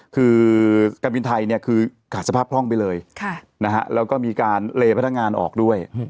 คือการบินไทยเนี่ยคือขาดสภาพคล่องไปเลยแล้วก็มีการเลพนักงานออกด้วย